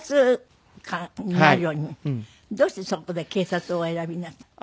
どうしてそこで警察をお選びになったの？